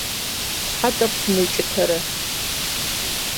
Щхьэ тӏэкӏу фымыукӏытэрэ!